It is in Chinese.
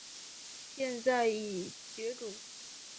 现在已绝种。